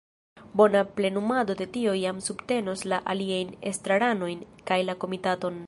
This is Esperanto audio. Bona plenumado de tio jam subtenos la aliajn estraranojn kaj la komitaton.